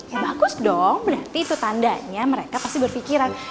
ya bagus dong berarti itu tandanya mereka pasti berpikiran